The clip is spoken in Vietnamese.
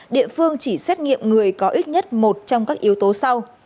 địa phương chỉ xét nghiệm người có ít nhất một trong các yếu tố sau